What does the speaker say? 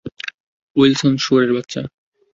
Wilson, শুয়োরের বাচ্চা!